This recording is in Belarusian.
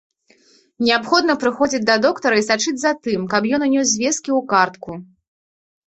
Неабходна прыходзіць да доктара і сачыць за тым, каб ён унёс звесткі ў картку.